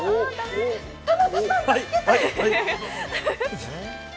田中さん、助けて！